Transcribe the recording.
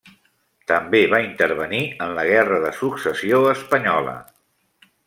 També va intervenir en la Guerra de Successió espanyola.